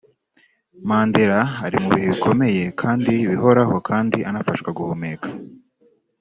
Mandela ari mu bihe bikomeye kandi bihoraho kandi anafashwa guhumeka